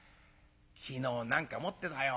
昨日何か持ってたよ。